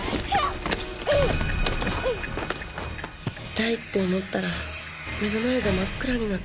痛いって思ったら目の前が真っ暗になって。